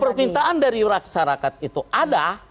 kalau permintaan dari raksarikat itu ada